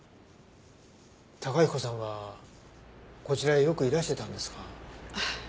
崇彦さんはこちらへよくいらしてたんですか？